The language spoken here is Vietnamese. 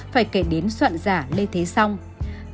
phải kể đến dịch covid một mươi chín